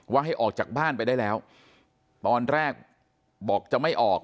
ให้ออกจากบ้านไปได้แล้วตอนแรกบอกจะไม่ออก